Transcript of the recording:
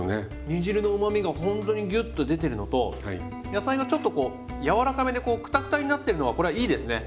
煮汁のうまみがほんとにギュッと出てるのと野菜がちょっとこう柔らかめでこうクタクタになってるのがこれはいいですね。